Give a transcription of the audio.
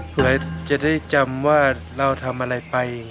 เพื่อจะได้จำว่าเราทำอะไรไป